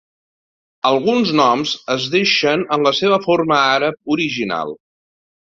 Alguns noms es deixen en la seva forma àrab original.